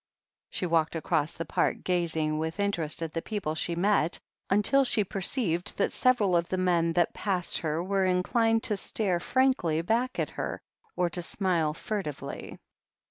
She walked across the Park, gazing with interest at the people she met, until she perceived that several of the men that passed her were inclined to stare frankly back at her, or to smile furtively.